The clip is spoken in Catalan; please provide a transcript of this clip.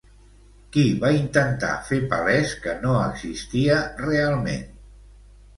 Qui va intentar fer palès que no existia realment?